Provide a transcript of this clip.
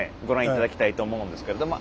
ご覧頂きたいと思うんですけど。